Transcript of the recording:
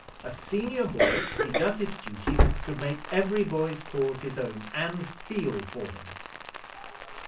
"A senior boy, if he does his duty, should make every boy's cause his own, and 'feel' for him."